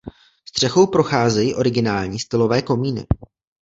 Střechou procházejí originální stylové komíny.